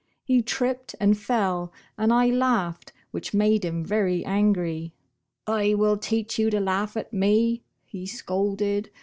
He tripped and fell, and I laughed, which made him very angry. 'I will teach you to laugh at me,' he scolded.